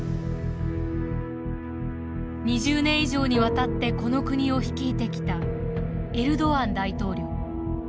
２０年以上にわたってこの国を率いてきたエルドアン大統領。